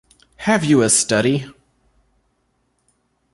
Have you a study?